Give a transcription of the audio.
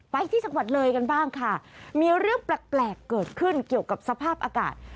ไปที่จังหวัดเลยกันบ้างค่ะมีเรื่องแปลกเกิดขึ้นเกี่ยวกับสภาพอากาศ